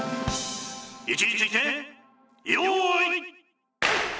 「位置について用意」